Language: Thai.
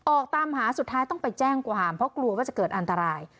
ออกตามหาสุดท้ายต้องไปแจ้งความเพราะกลัวว่าจะเกิดอันตราย